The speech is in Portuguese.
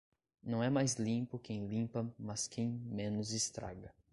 Não é mais limpo quem limpa mas quem menos estraga.